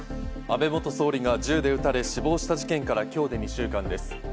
安倍元総理が銃で撃たれ、死亡した事件から今日で２週間です。